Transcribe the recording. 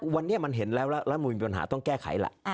วันเนี่ยมันเห็นแล้วแล้วลำนูนมีปัญหาต้องแก้ไขล่ะ